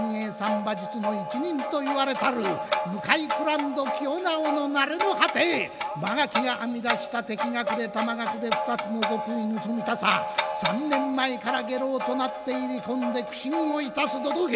馬術の一人と言われたる向井蔵人清直のなれの果て曲垣が編み出した敵隠れ雲隠れ２つの極意盗みたさ３年前から下郎となって入り込んで苦心をいたすどど平。